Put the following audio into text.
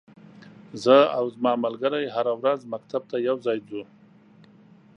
زه او ځما ملګری هره ورځ مکتب ته یوځای زو.